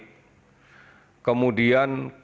kemudian konsultasikan sehat kemudian berhenti berhenti berhenti